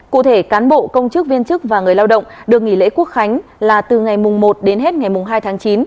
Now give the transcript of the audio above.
cụ thể cán bộ công chức viên chức và người lao động được nghỉ lễ quốc khánh là từ ngày một đến hết ngày hai tháng chín